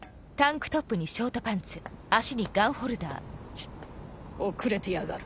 チッ遅れてやがる。